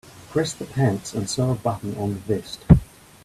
Press the pants and sew a button on the vest.